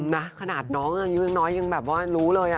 นะขนาดน้องอายุยังน้อยยังแบบว่ารู้เลย